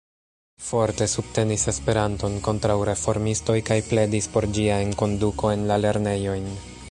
Forte subtenis Esperanton kontraŭ reformistoj kaj pledis por ĝia enkonduko en la lernejojn.